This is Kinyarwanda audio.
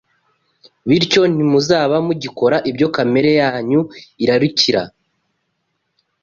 bityo ntimuzaba mugikora ibyo kamere yanyu irarikira